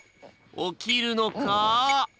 起きるのか？